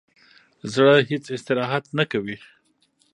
زړه هیڅ استراحت نه کوي.